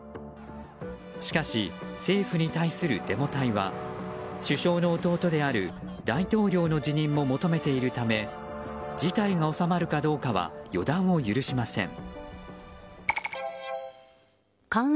しかし、政府に対するデモ隊は首相の弟である大統領の辞任も求めているため事態が収まるかどうかは予断を許しません。